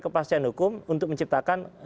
kepastian hukum untuk menciptakan